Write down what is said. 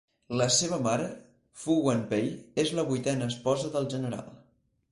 La seva mare, Fu Wenpei, és la vuitena esposa del general.